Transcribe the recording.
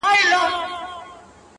د سومنات او پاني پټ او میوندونو کیسې-